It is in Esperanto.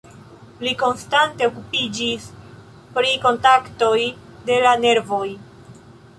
Li konstante okupiĝis pri kontaktoj de la nervoj.